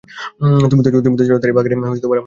তুমি তো জান তাঁরই বাগানে আমার হাতেখড়ি।